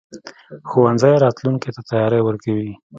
ښوونځی راتلونکي ته تیاری ورکوي.